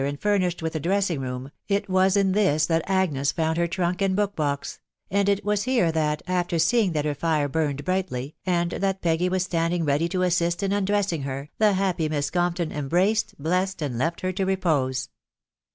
and furnished with a dressing room, it was in this that Agnes found her trunk and book box ; and it was here that, after seeing that her fire burned brightly,, and that Peggy was standing ready to assist in undressing her, the happy Miss Compton embraced, blessed, and left her to repose.